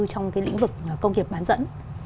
trong cái lĩnh vực công nghiệp bán dẫn